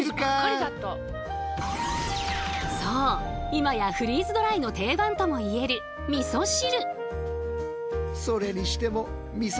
そう今やフリーズドライの定番とも言えるみそ汁。